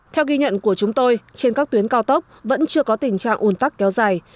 theo ghi nhận của chúng tôi trên các tuyến cao tốc vẫn chưa có tình trạng ùn tắc kéo dài